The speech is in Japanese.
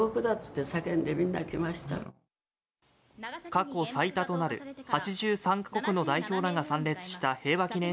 過去最多となる８３か国の代表らが参列した平和祈念